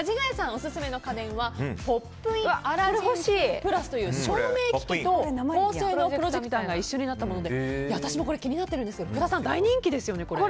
オススメの家電はポップインアラジン２プラスという照明機器と高性能プロジェクターが一緒になったもので私も気になってるんですけど福田さん、大人気ですよね。